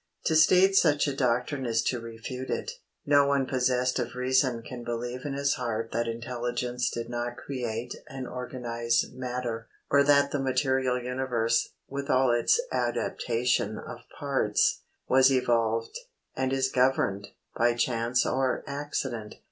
To state such a doctrine is to refute it. No one possessed of reason can believe in his heart that Intelligence did not create and organise matter, or that the material universe, with all its adaptation of parts, was evolved, and is governed, by chance or accident.